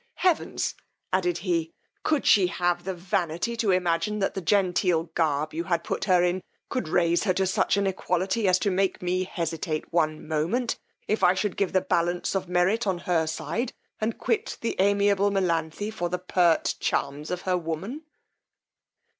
Heavens! added he, could she have the vanity to imagine that the genteel garb you had put her in, could raise her to such an equality, as to make me hesitate one moment if I should give the balance of merit on her side, and quit the amiable Melanthe for the pert charms of her woman?